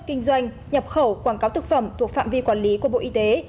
kinh doanh nhập khẩu quảng cáo thực phẩm thuộc phạm vi quản lý của bộ y tế